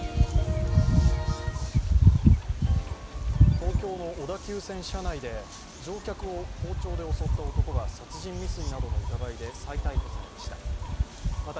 東京の小田急線車内で乗客を包丁で襲った男が殺人未遂などの疑いで再逮捕されました。